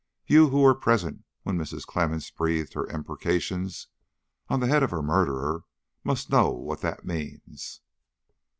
You who were present when Mrs. Clemmens breathed her imprecations on the head of her murderer, must know what that means."